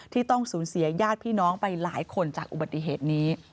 ต้องสูญเสียญาติพี่น้องไปหลายคนจากอุบัติเหตุนี้